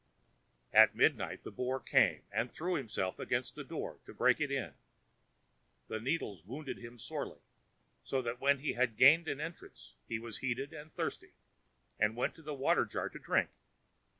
At midnight the Boar came, and threw himself against the door to break it in. The needles wounded him sorely, so that when he had gained an entrance he was heated and thirsty, and went to the water jar to drink.